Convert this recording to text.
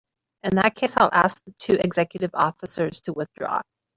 In that case I'll ask the two executive officers to withdraw.